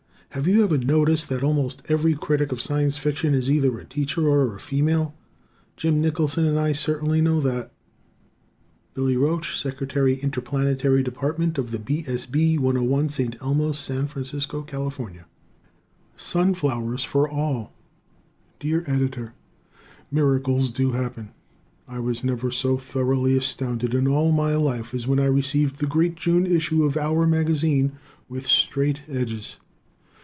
Have you ever noticed that almost every critic of Science Fiction is either a teacher or a female? Jim Nicholson and I certainly know that. Billy Roche, Sec. Interplanetary Dept. of the B. S. B., 101 St. Elmo, San Francisco, Cal. Sunflowers for All Dear Editor: Miracles do happen! I was never so thoroughly astounded in all my life as when I received the great June issue of "our" magazine with straight edges!